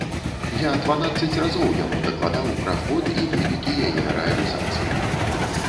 Я дванаццаць разоў яму дакладаў пра ход і вынікі яе рэалізацыі.